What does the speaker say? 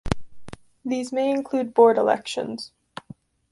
These may include board elections.